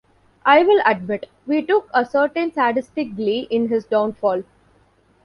I'll admit, we took a certain sadistic glee in his downfall.